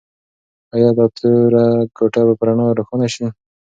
ایا دا توره کوټه به په رڼا روښانه شي؟